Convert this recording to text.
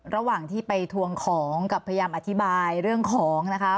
ระหว่างที่ไปทวงของกับพยายามอธิบายเรื่องของนะคะ